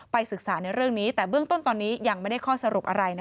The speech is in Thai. ศึกษาในเรื่องนี้แต่เบื้องต้นตอนนี้ยังไม่ได้ข้อสรุปอะไร